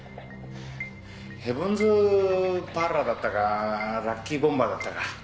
ヘブンズパーラーだったかラッキーボンバーだったか。